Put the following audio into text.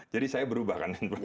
jadi saya berubah kan